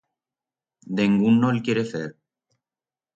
Dengún no'l quiere fer.